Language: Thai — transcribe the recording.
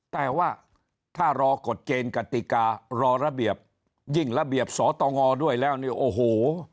แต่ว่าถ้ารอกฎเกณฑ์กติการอระเบียบยิ่งระเบียบสตงด้วยแล้วเนี่ยโอ้โห